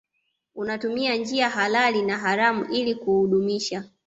Unatumia njia halali na haramu ili kuudumisha